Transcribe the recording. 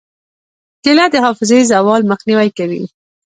کېله د حافظې زوال مخنیوی کوي.